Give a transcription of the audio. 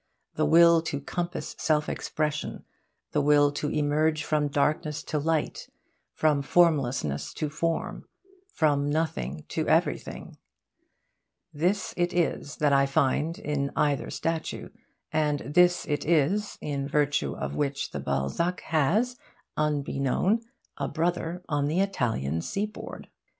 The will to compass self expression, the will to emerge from darkness to light, from formlessness to form, from nothing to everything this it is that I find in either statue; and this it is in virtue of which the Balzac has unbeknown a brother on the Italian seaboard.